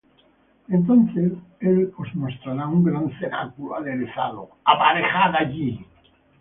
Entonces él os mostrará un gran cenáculo aderezado; aparejad allí.